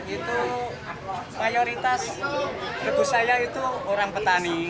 itu prioritas kebutuhannya itu orang petani